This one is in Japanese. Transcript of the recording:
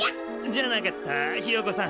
じゃなかったひよこさん。